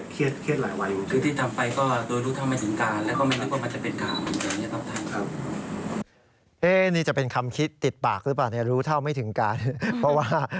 ก็รู้สึกเครียดหลายวัย